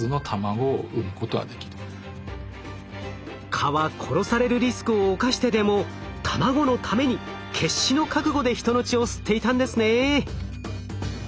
蚊は殺されるリスクを冒してでも卵のために決死の覚悟で人の血を吸っていたんですね。